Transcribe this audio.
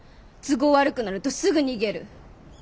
都合悪くなるとすぐ逃げる。